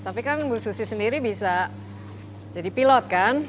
tapi kan bu susi sendiri bisa jadi pilot kan